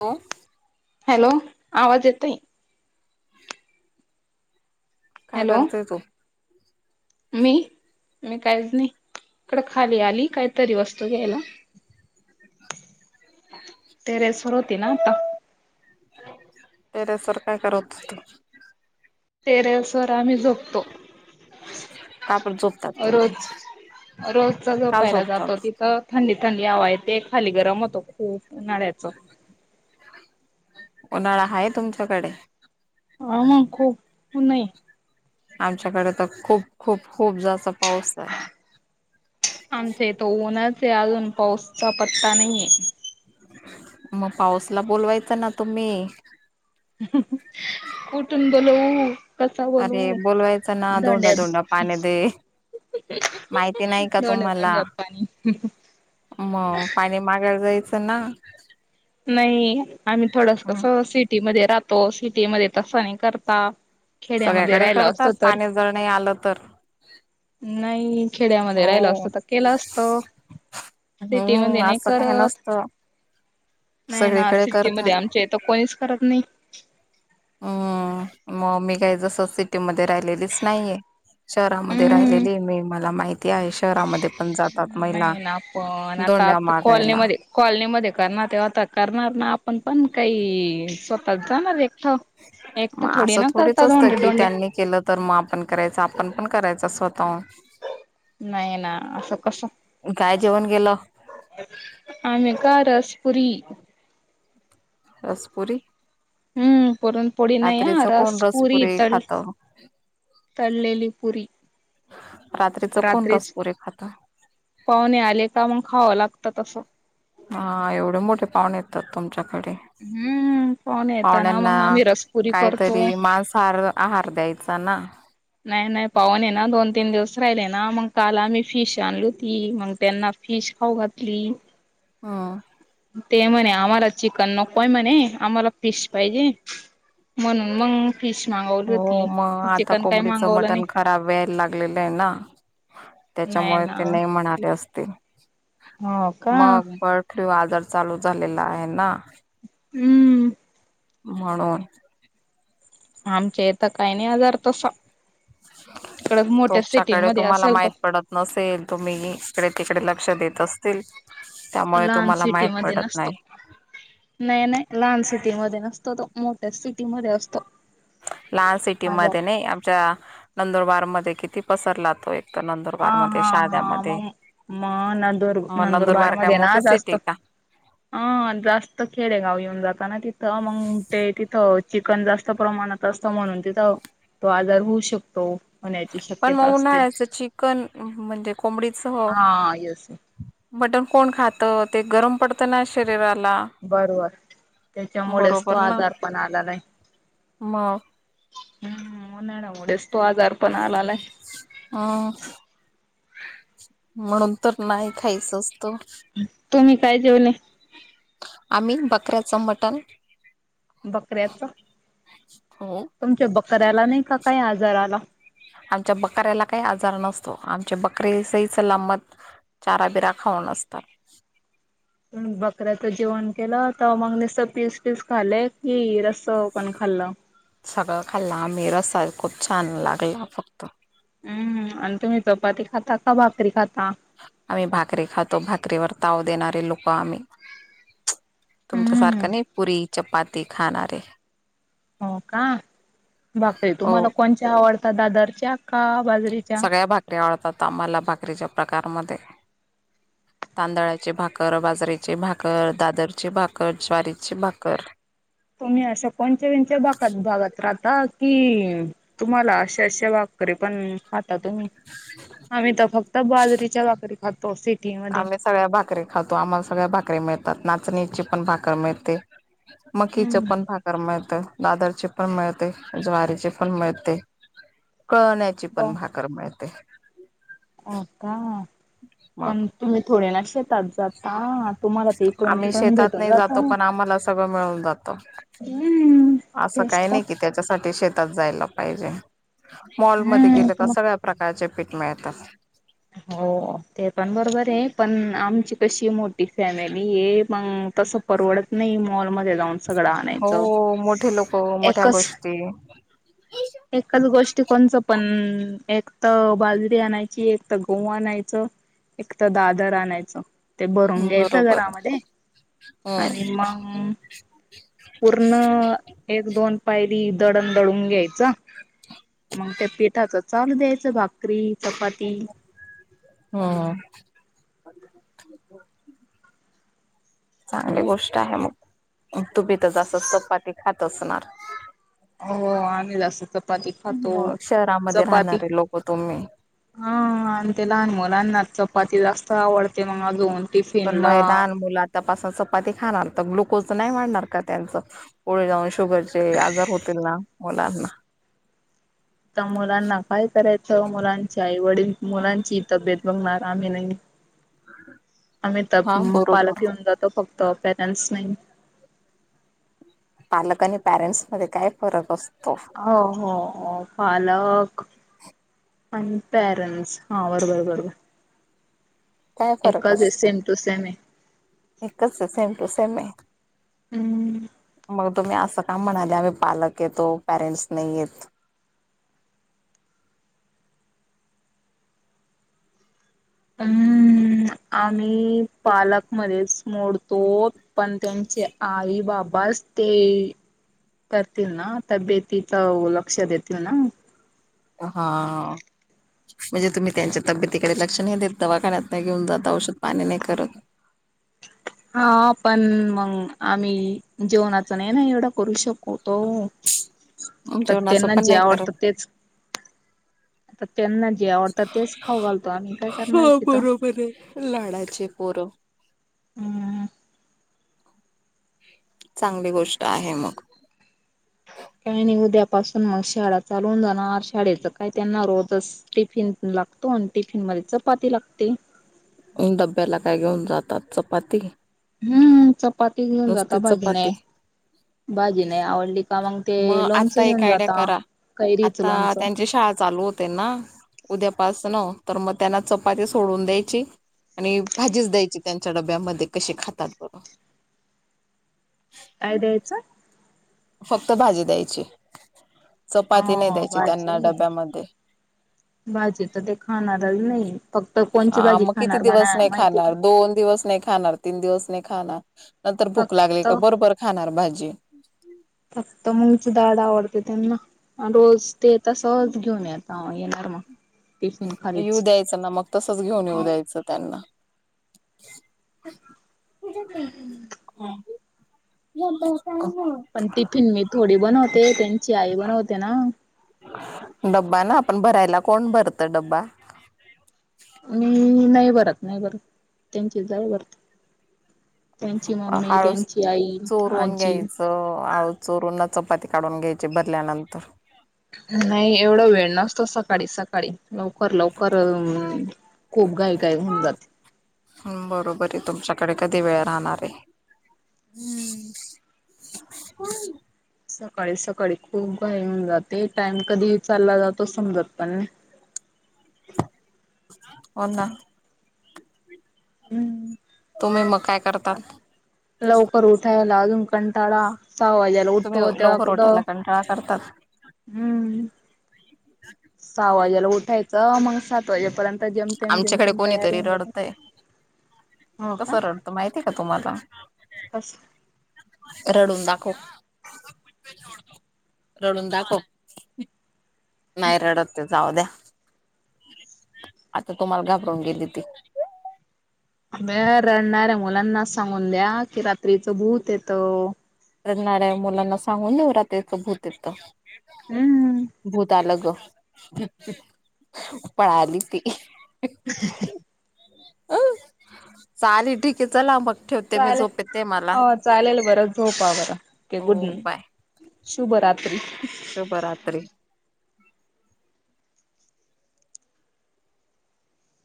तो हॅलो आवाज येतोय. काय हॅलो करतय तो, मी, मी काहीच नाही इकडं खाली आली काहीतरी वस्तू घ्यायला. [inaudible] टेरेसवर होती ना आता टेरेसवर काय करत होती? टेरेसवर आम्ही झोपतो. का पण झोपतात तुम्ही रोज रोजचा का झोपायला जातो झोपतात ति तर थंडी, थंडी हवा आहे ते खाली गरम होतो खूप उन्हाळ्यातच उन्हाळा हाय तुमच्याकडे? ह ह खूप नाही. आमच्याकडे तर खूप, खूप खूप जास्त पाऊस आहे. आमच्या इथ उन्हच आहे अजून पाऊसचा पत्ता नाहीये. मग पाऊस ला बोलवायचं ना तुम्ही कुठून बोलु कसा बोलू अरे बोलवायचं ना धोंडा धोड्यात धोंडा पाणी दे माहिती नाही का धोंड्या, तुम्हाला धोंड्या पनी मग पाणी मागायला जायचं ना नाही आम्ही थोडस कस हं. सिटी मध्ये राहतो सिटी मध्ये तसं नाही करता. खेड्यामध्ये सगळ्याकडे राहिल असत करतात तर पाणी जर नाही आलं तर नाही खेड्यामध्ये राहिल हो असतं तर केलं असत. सिटी हम्म मध्ये नाही असं काही करत नसतं नाही ना सगळीकडे सिटीमध्ये करतात आमच्या इथे कोणीच करत नाही. हम्म मी काय जसं मध्ये राहिलीच नाहीय शहरामध्ये हम्म. राहिलेली मी मला माहिती आहे शहरा नाही ना पण आता दोंड्या आता कॉलनी मागायला. मध्ये कॉलनी मध्ये करणार ते आता करणार ना आपण पण काही स्वतः जाणार एकट एक तर मग थोडी असं ना थोडीच करतात असतं दोंड की डोंड्या त्यांनी केलं तर मग आपण करायच आपण पण करायचा स्वतः नाही ना असं कस काय जेवण गेलं आम्ही का रस पुरी रस पुरी. हुं पुरण पोळी नाही आ कोण रस पूरी रसपुरी तळ खात. तळलेली पुरी रात्रीच कोण रसपुरीे खाता? पाहुणे आले का मग खावं लागतं तस हा एवढे मोठे पाहुणे येतात तुमच्याकडे? हम्म पाहुणे येताना पाहुण्यांना मग आम्ही रसपुरी करतो काहीतरी मांसहार आहार द्यायचा ना नाही, नाही पाहुणे ना दोन, तीन दिवस राहिले ना मग काल आम्ही फिश आणली होती मग त्यांना फिश खाऊ घातली. ह. ते म्हणे आम्हाला चिकन नकोय म्हणे, आम्हाला फिश पाहिजे. म्हणून मग फिश मागवली हो होती मग आता चिकन काही कोंबडीचं मागवलं नाही मटण खराब यायला लागलेलं आहे ना नाही त्याच्यामुळे ना ते नाही म्हणाले अस हो का मग बर्ड फ्लू आजार चालू झालेला आहे ना हुं. म्हणून. आमच्या इथं काही नाही आजार तसा तिकड मोठ्या तुमच्याकडे सिटीमध्ये तुम्हाला असेल तो माहित पडत नसेल तुम्ही इकडे तिकडे लक्ष देत असतील. त्यामुळे लहान तुम्हाला माहित सिटीमध्ये पडत नसतो. नाही. नाही, नाही लहान सिटीमध्ये नसतो तो मोठ्याच सिटी मध्ये असतो. लहान सिटी आजार. मध्ये नाही आमच्या नंदुरबार मध्ये किती पसरलातोय. हा हा हा मग मग नंदुर मग नंदुरबार काय मध्ये ना मोठी सिटी जास्त. का ह जास्त खेडे गाव येऊन जात ना तिथं मग ते तिथं चिकन जास्त प्रमाणात असतं म्हणून तिथं तो आजार होऊ शकतो. होण्याची पण शक्यता मग असते. उन्हाळ्याचं चिकन म्हणजे कोंबडीच हो. हा येस मटण कोण खातं ते गरम पडतं ना शरीराला. बरोबर त्याच्यामुळेच तो बरोबर ना आजार पण आला नाही. मग. उन्हाळ्यामुळेच तो आजार पण आललाय. हुं म्हणून तर नाही खायचं असत. तुम्ही काय जेवले? आम्ही बकऱ्याचं मटण. बकऱ्याच हो तुमच्या बकऱ्याला नाही का काय आजार आला. आमच्या बकऱ्याला काही आजार नसतो आमचे बकरे सही सलामत चारा बिरां खाऊन असतात. हुं बकऱ्याच जेवण केलं तर मग निसत पीस पीस खाले की रस्स पण खाल्लं. सगळं खाल्ला आम्ही रस्सा खूप छान लागला फक्त हुं आणि तुम्ही चपाती खाता का भाकरी खाता? आम्ही भाकरी खातो भाकरीवर ताव देणारे लोकं आम्ही. हम्म तुमच्यासारखं नाही पुरी, चपाती खाणारे. हो का भाकरी हो तुम्हांला कोणच्या आवडतात दादरच्या का बाजरीच्या? सगळ्या भाकरी आवडतात, आम्हाला भाकरीच्या प्रकारमध्ये. तांदळाची भाकर, बाजरेची भाकर, दादरची भाकर, ज्वारीची भाकर. तुम्ही अशा कोणचे विंचे भाकत भाघत राहता की, तुम्हाला अशा अशा भाकरीे पण ह त तुम्ही आम्ही तर फक्त बाजरीच्या भाकरी खातो सिटी मध्ये. आम्ही सगळ्या भाकरी खातो, आम्हाला सगळ्या भाकरी मिळतात नाचणीची पण भाकर मिळते. मकीच हम्म पण भाकर मिळते. दादरचे पण मिळते, ज्वारीचे पण मिळते, कळण्याची पण हो भाक कर मिळते. हो का मग पण तुम्ही थोडे ना शेतात जाता. तुम्हाला त इकडुन तिकडून भेटून जातं. सगळ मिळून जात हम्म. असं तेच काही तर नाही कि त्याच्यासाठी शेतात जायला पाहिजे मॉलमध्ये हम्म गेले तर मग सगळ्या प्रकारचे पीठ मिळतात. हो ते पण बरोबर आहे. पण आमची कशी मोठी फॅमिली आहे मग तस परवडत नाही मॉलमध्ये जाऊन‌. हो मोठे लोक मोठ्या एकच गोष्टी. एकच गोष्टी कोणचं पण एक तर बाजरी आणायची एक तर गहु आणायचं. एक तर दादर आणायचं. ते भरून घ्यायचं बरोबर घरामध्ये हम् आणि मग पूर्ण एक दोन पायली दडण दळून घ्यायचं मग त्या पिठाच चालू द्यायचं भाकरी. चपाती हा. चांगली गोष्ट आहे मग. तुम्ही तर जास्त चपाती खात असणार. हो आम्ही जास्त चपाती खातो मग शहरामध्ये चपाती राहणारे लोक तुम्ही हा आणि ते लहान मुलांना चपाती जास्त आवडते मग जाऊन टिफिन ला त्या पासा चपाती खाणार तर ग्लुकोज नाही वाढणार का त्यांचं. पुढे जाऊन शुगरचे आजार होतील ना मुलांना. तर मुलांना काय करायचं मुलांचं आई वडील मुलांची तब्येत बघणार आम्ही नाही. [unintelligible] आम्ही तर हा पालक बरोबर येऊन जातो फक्त पेरंट्स नाही. पालक आणि पॅरेंट्स मध्ये काय फरक असतो. हो हो हो पालक अन पॅरेंट्स हा बरोबर बरोबर. काय फरक एकच आहे असत? सेम टू सेम आहे. एकच आहे सेम टू सेम आहे हम्म मग? तुम्ही असं का म्हणाले आम्ही पालक येतो पॅरेंट्स नाही येत ‌. हम्म आम्ही पालकमध्येच मोडतो पण त्यांचे आई बाबाचं ते करतील ना तब्येतीच लक्ष देतील ना. हा. म्हणजे तुम्ही त्यांच्या तब्येतीकडे लक्ष नाही देत दवाखान्यात नाही घेऊन जात औषध पाणी नाही करत. हा पण मग आम्ही जेवणाचं नाही ना एवढं करू शकतो. [unintelligible] तर जेवणाचं त्यांना पण जे नाही करत. आवडतं तेच आ त्यांना जे आवडतात तेच खाऊ घालतो आम्ही काय करणार ये. हो बरोबर आहे. लाडाचे पोरं. [unintelligible] चांगली गोष्ट आहे मग. काही नाही उद्यापासून मग शाळा चालवून जाणार शाळेच काय त्यांना रोजच टिफिन लागतो आणि टिफिन मध्ये चपाती लागते. डब्याला काय घेऊन जातात चपाती? हम्म चपाती घेऊन जाता नुसती भाजी नाही चपाती. भाजी नाही आवडली का मग ते लोनच आता एक घेऊन आयडिया जाता करा कैरीच आता लोनचं. त्यांची शाळा चालु होत ना उद्यापासन तर मग त्यांना चपाती सोडून द्यायची आणि भाजीच द्यायची त्यांच्या डब्यामध्ये कशी खातात बघं काय द्यायचं. फक्त भाजी द्यायची चपाती नाही हा द्यायची त्यांना भाजी डब्यामध्ये भाजी तर ते खाणारच नाही फक्त कोणची हा भाजी मग किती खाणार म्हणा दिवस नाही माहिती का खाणार दोन दिवस नाही खाणार तीन दिवस नाही खाणार नंतर भूक लागली फक्त का बरोबर खाणार भाजी फक्त मंगच डाड आवडते त्यांना रोज ते तसंहच घेन येता येणार म. येऊ द्यायचं ना मग तसंच घेऊन येऊ द्यायचं त्यांना [unintelligible] पण टिफिन मी थोडी बनवते त्यांची आई बनवते ना. डब्बा ना आपण भरायला कोण भरत डब्बा? मी नाही भरत नाही बरत त्यांची जाऊ भरते. त्यांची मम्मी त्यांची आई आजी. च आळू चोरूनना चपाती काढून घ्यायची भरल्यानंतर नाही एवढा वेळ नसतो सकाळी सकाळी. लवकर लवकर अ खूप घाई घाई होऊन जाते. बरोबर आहे तुमच्याकडे कधी वेळ राहणार आहे. हम्म [unintelligible] सकाळी सकाळी खूप घही होऊन जाते टाइम कधी विचचालला जातो समजत पण नाही. हो ना. हम्म तुम्ही मग काय करतात. लवकर उठायला अजून कंटाळा सववाज्याला उठतो तेव्हा कुठं? खेळा करतात. हम्म सहा वाजेला उठायचं मग सात वाजेपर्यंत आता जमते आमच्याकडे जमते तयार कोणीतरी होऊन रडतय हो का? माहिती आहे का तुम्हाला असशी रडून दाखव रडून दाखव. नाही रडत ते जाऊ द्या आता तुम्हाला घाबरून गेली ती अ म रडणाऱ्या मुलांना सांगून द्या की रात्रीचं भूत येत. रणाऱ्या मुलांना सांगून नवरात्रीच भूत येतं. हम्मम. भूत अलग पळ आली ती अ चालेल ठीक आहे चला बघ. चालेल चालेल बरं झोपा बरं ओके गुड हो नाईट. बाय शुभरात्री शुभरात्री.